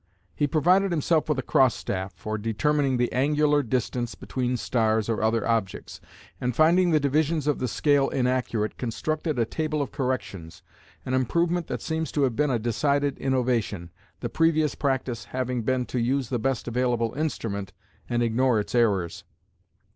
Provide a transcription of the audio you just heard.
He provided himself with a cross staff for determining the angular distance between stars or other objects, and, finding the divisions of the scale inaccurate, constructed a table of corrections, an improvement that seems to have been a decided innovation, the previous practice having been to use the best available instrument and ignore its errors.